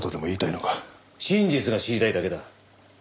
真実が知りたいだけだ。